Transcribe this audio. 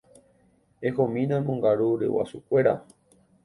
Ehomína emongaru ryguasukuéra.